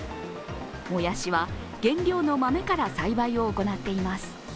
もやしは原料の豆から栽培を行っています。